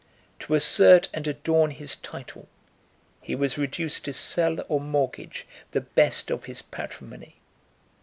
To assert and adorn his title, he was reduced to sell or mortgage the best of his patrimony.